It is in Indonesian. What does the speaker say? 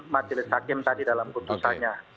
majelis hakim tadi dalam putusannya